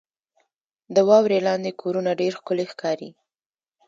• د واورې لاندې کورونه ډېر ښکلي ښکاري.